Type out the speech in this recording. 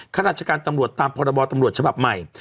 ข้าราชการตำรวจตามพรบตำรวจฉบับใหม่